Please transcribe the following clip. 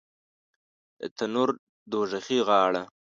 د تنور دوږخي غاړه